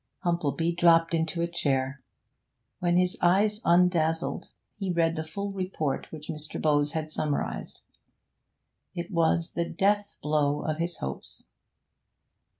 Humplebee dropped into a chair. When his eyes undazzled, he read the full report which Mr. Bowes had summarised. It was the death blow of his hopes.